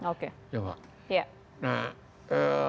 oke ya pak